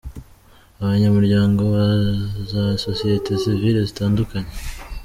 Abanyamuryango ba za Sosiyete Sivile zitandukanye.